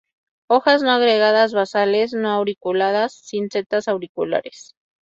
Hojas no agregadas basales; no auriculadas; sin setas auriculares.